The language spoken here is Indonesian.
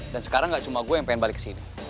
dan sekarang gak cuma gue yang pengen balik kesini